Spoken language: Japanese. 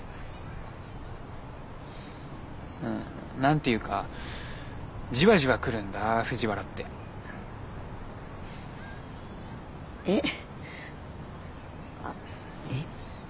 ん何て言うかじわじわ来るんだ藤原って。えっ？あえ？